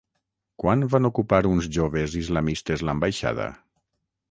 Quan van ocupar uns joves islamistes l'Ambaixada?